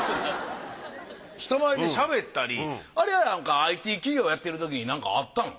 人前でしゃべったりあれはＩＴ企業やってるときになんかあったん？